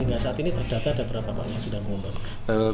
hingga saat ini terdata ada berapa orang sudah mengumpulkan